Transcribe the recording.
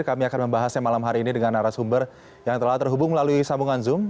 kami akan membahasnya malam hari ini dengan arah sumber yang telah terhubung melalui sambungan zoom